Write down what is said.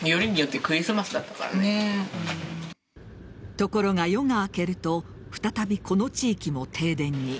ところが夜が明けると再びこの地域も停電に。